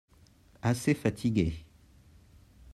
Assez fatigué.